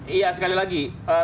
iya sekali lagi